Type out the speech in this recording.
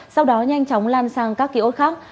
sau đó nhanh chóng lan sang các ký ốt khác